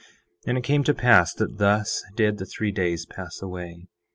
10:9 And it came to pass that thus did the three days pass away.